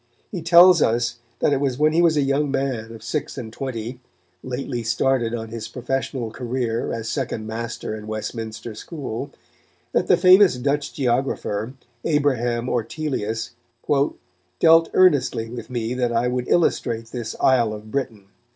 He tells us that it was when he was a young man of six and twenty, lately started on his professional career as second master in Westminster School, that the famous Dutch geographer, Abraham Ortelius, "dealt earnestly with me that I would illustrate this isle of Britain."